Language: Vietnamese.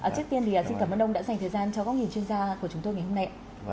trước tiên thì xin cảm ơn ông đã dành thời gian cho góc nhìn chuyên gia của chúng tôi ngày hôm nay